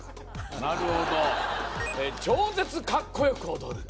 なるほど「超絶かっこよく踊る」